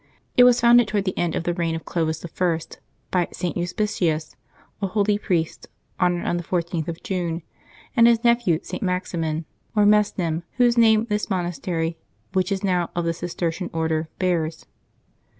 It was founded toward the end of the reign of Clovis I. by St. Euspicius, a holy priest, honored on the 14th of June, and his nephew St. Maximin or Mes nim, whose name this monastery, which is now of the Cistercian Order, bears.